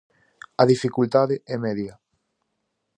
A dificultade é media.